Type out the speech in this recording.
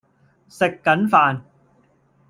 食緊飯